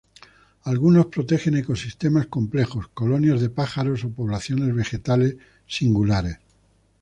Algunos protegen ecosistemas complejos, colonias de pájaros, o poblaciones vegetales singulares.